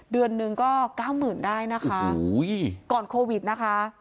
เดือนหนึ่งก็๙๐๐๐ได้นะคะก่อนโควิดนะคะ